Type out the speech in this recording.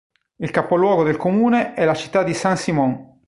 Il capoluogo del comune è la città di San Simón.